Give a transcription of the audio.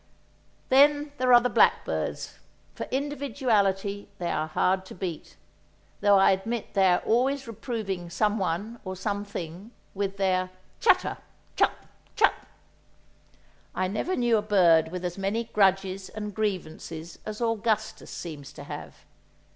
Then there are the blackbirds—for individuality they are hard to beat; though I admit they are always reproving someone or something, with their "Chutter, chut, chut!" I never knew a bird with as many grudges and grievances as Augustus seems to have.